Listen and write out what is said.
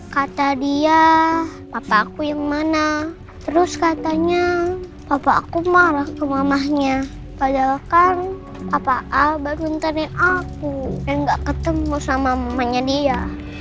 kata dia papa aku yang mana terus katanya bapak aku marah ke mamahnya padahal kan apa al baduntenir aku yang gak ketemu sama mamanya dia